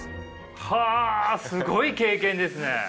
はあすごい経験ですね！